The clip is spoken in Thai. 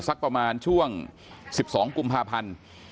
สักประมาณช่วง๑๒กุมภาพันธ์